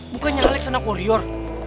bukannya alex anak warrior